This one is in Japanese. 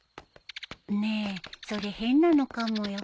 ねえそれ変なのかもよ。